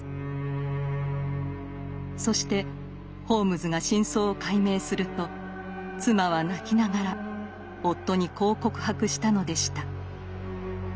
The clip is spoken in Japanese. そしてホームズが真相を解明すると妻は泣きながら夫にこう告白したのでした。